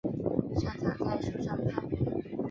擅长在树上攀援。